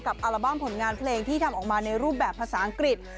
อัลบั้มผลงานเพลงที่ทำออกมาในรูปแบบภาษาอังกฤษ